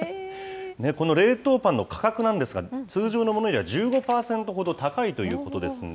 この冷凍パンの価格なんですが、通常のものより１５％ほど高いということですね。